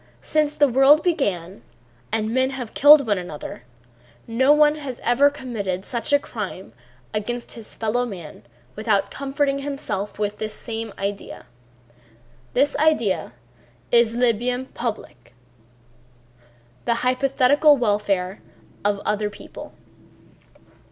Since the world began and men have killed one another no one has ever committed such a crime against his fellow man without comforting himself with this same idea. This idea is le bien public, the hypothetical welfare of other people.